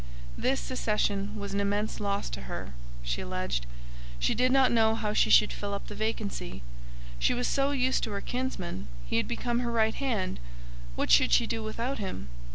"This secession was an immense loss to her," she alleged. "She did not know how she should fill up the vacancy. She was so used to her kinsman, he had become her right hand; what should she do without him?